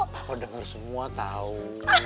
papa denger semua tau